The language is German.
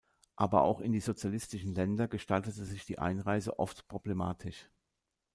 Aber auch in die sozialistischen Länder gestaltete sich die Einreise oft problematisch.